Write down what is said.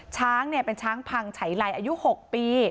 ช้างเป็นช้างพังฉัยไลอายุ๖ปี